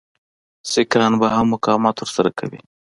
سیکهان به هم مقاومت ورسره کوي.